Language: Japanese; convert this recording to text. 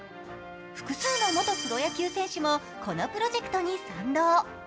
複数の元プロ野球選手もこのプロジェクトに賛同。